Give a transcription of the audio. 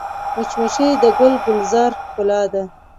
مچمچۍ د ګل ګلزار ښکلا ده